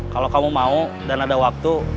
kalau kamu mau dan ada waktu